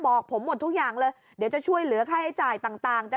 บอกผมหมดทุกอย่างเลยเดี๋ยวจะช่วยเหลือค่าใช้จ่ายต่างจะ